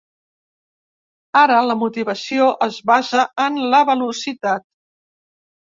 Ara la motivació es basa en la velocitat.